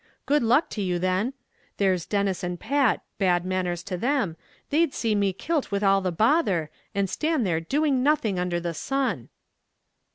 good luck to you then. There's Denis and Pat, bad manners to them, they'd see me kilt with all the bother, and stand there doing nothing under the sun."